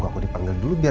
kamu mau ke rumah